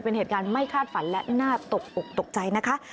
เป็นเหตุการณ์ไม่คาดฝันและน่าตกอกตกใจนะคะ